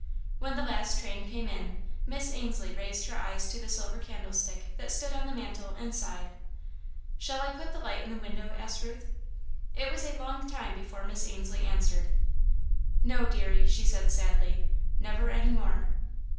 When the last train came in, Miss Ainslie raised her eyes to the silver candlestick that stood on the mantel and sighed. "Shall I put the light in the window?" asked Ruth. It was a long time before Miss Ainslie answered. "No, deary," she said sadly, "never any more."